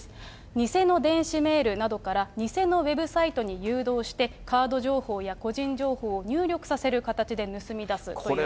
偽の電子メールなどから偽のウェブサイトに誘導して、カード情報や個人情報を入力させる形で盗み出すというものです。